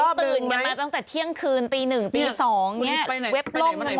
เขาตื่นกันมาตั้งแต่เที่ยงคืนตีหนึ่งตีสองแบบเว็บล่มกันหมด